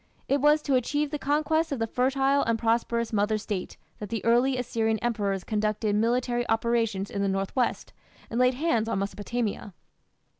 It was to achieve the conquest of the fertile and prosperous mother State that the early Assyrian emperors conducted military operations in the north west and laid hands on Mesopotamia.